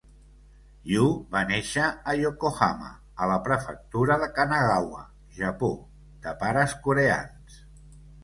Yu va néixer a Yokohama, a la Prefectura de Kanagawa, Japó, de pares coreans.